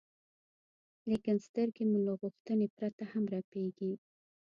لیکن سترګې مو له غوښتنې پرته هم رپېږي.